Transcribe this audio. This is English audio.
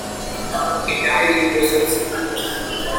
He died in Brussels.